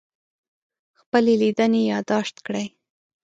خپلې لیدنې یادداشت کړئ.